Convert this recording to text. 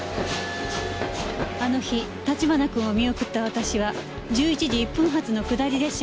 あの日立花君を見送った私は１１時１分発の下り列車に乗って。